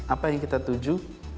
apa yang kita tuju